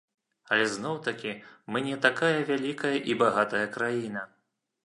Але зноў-такі, мы не такая вялікая і багатая краіна.